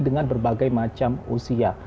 dengan berbagai macam usia